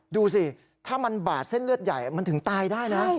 ดูสิถ้ามันบาดเส้นเลือดใหญ่มันถึงตายได้นะ